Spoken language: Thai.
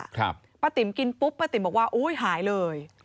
ป้าติ๋มกินปุ๊บป้าติ๋มบอกว่าโอ้ยหายเลย